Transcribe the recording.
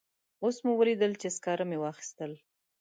اوس مو ولیدل چې سکاره مې واخیستل.